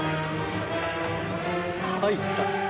入った。